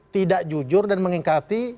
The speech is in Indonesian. tidak jujur dan mengingkati